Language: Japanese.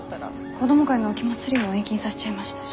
子ども会の秋まつりも延期にさせちゃいましたし。